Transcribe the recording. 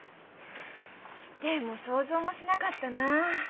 でも想像もしなかったなあ。